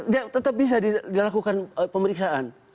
dia tetap bisa dilakukan pemeriksaan